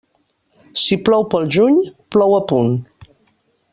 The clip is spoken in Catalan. Si plou pel juny, plou a punt.